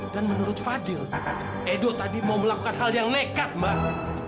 dan menurut fadil edo tadi mau melakukan hal yang nekat mbak